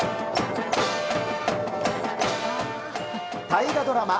大河ドラマ